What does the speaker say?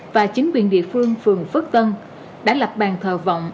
và chính quyền địa phương phường phước tân đã lập bàn thờ vọng